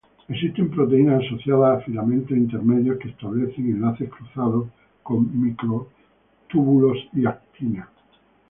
Existen proteínas asociadas a filamentos intermedios que establecen enlaces cruzados con microtúbulos y actina.